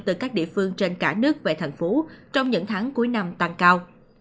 từ các địa phương trên cả nước về thành phố trong những tháng cuối năm tăng cao